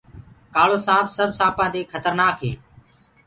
ڪآݪوسآنٚپ سب سآپآنٚ مي کترنآڪ هي